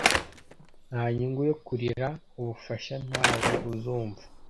Nta nyungu yo kurira ubufasha Ntawe uzumva